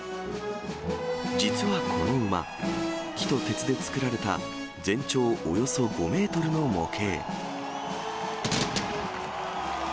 実はこの馬、木と鉄で作られた全長およそ５メートルの模型。